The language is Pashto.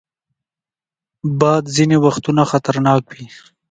باد ځینې وختونه خطرناک وي